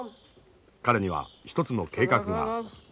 彼には一つの計画がある。